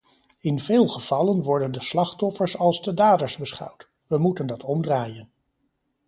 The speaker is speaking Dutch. In veel gevallen worden de slachtoffers als de daders beschouwd: we moeten dat omdraaien.